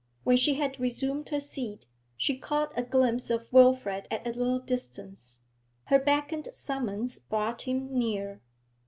When she had resumed her seat, she caught a glimpse of Wilfrid at a little distance; her beckoned summons brought him near.